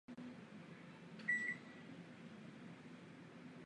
Obyvatelé obce projevovali Rusům všeobecné sympatie.